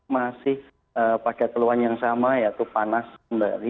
masih pada keluhan yang sama yaitu panas kembali